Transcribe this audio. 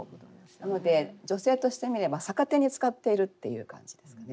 なので女性として見れば逆手に使っているっていう感じですかね。